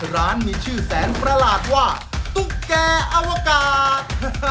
ร้านมีชื่อแสนประหลาดว่าตุ๊กแก่อวกาศ